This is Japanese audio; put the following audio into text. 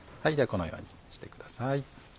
このようにしてください。